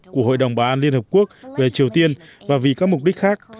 của hội đồng bảo an liên hợp quốc về triều tiên và vì các mục đích khác